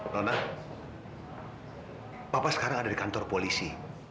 mama papa sekarang ada di kantor polisi